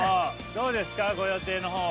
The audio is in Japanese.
どうですか、ご予定のほうは。